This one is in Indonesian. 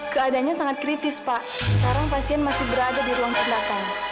keadaannya sangat kritis pak sekarang pasien masih berada di ruang pendatang